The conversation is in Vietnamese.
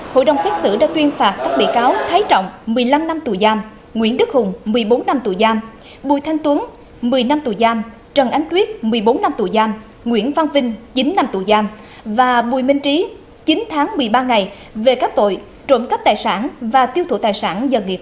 hội đồng xét xử đã tuyên phạt các bị cáo thái trọng một mươi năm năm tù giam nguyễn đức hùng một mươi bốn năm tù giam bùi thanh tuấn một mươi năm tù giam trần ánh tuyết một mươi bốn năm tù giam nguyễn văn vinh chín năm tù giam và bùi minh trí chín tháng một mươi ba ngày về các tội trộm cắp tài sản và tiêu thụ tài sản do nghiệp vụ